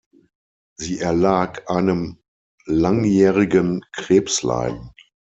Sie erlag einem langjährigen Krebsleiden.